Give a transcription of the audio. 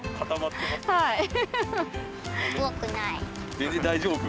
全然大丈夫？